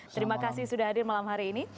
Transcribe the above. terima kasih sudah hadir malam hari ini